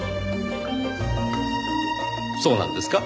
そうなんですか？